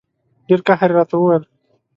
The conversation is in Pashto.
ډېر قهر یې راته وویل.